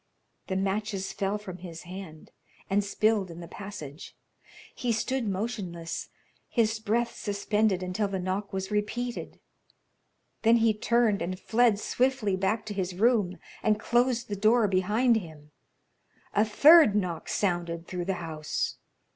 The matches fell from his hand and spilled in the passage. He stood motionless, his breath suspended until the knock was repeated. Then he turned and fled swiftly back to his room, and closed the door behind him. A third knock sounded through the house.